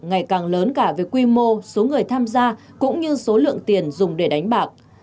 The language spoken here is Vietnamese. ngày càng lớn cả về quy mô số người tham gia cũng như số lượng tiền dùng để đánh bạc